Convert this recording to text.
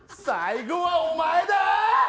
最後はお前だ！